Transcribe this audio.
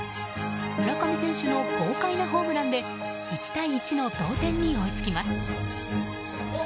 村上選手の豪快なホームランで１対１の同点に追いつきます。